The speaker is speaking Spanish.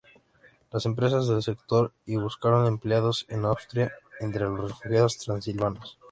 Las empresas del sector y buscaron empleados en Austria entre los refugiados transilvanos.